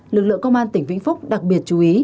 lực lượng công an tỉnh vĩnh phúc đặc biệt chú ý